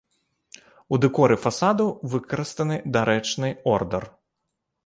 У дэкоры фасадаў выкарыстаны дарычны ордар.